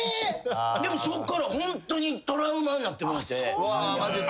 でもそっからホントにトラウマになってもうて。